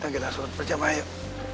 kita sholat berjamaah yuk